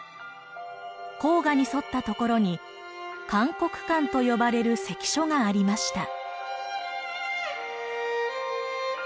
黄河に沿ったところに函谷関と呼ばれる関所がありました。